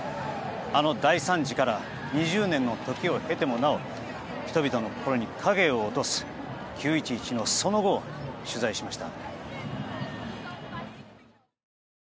あの大惨事から２０年の時を経てもなお人々の心に影を落とす９・１１のその後を取材しました。